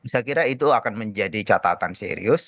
saya kira itu akan menjadi catatan serius